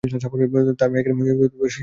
তার মেয়েকে নিয়েও সে একই কথা বলে।